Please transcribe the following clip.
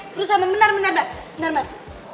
terus sama bener bener mbak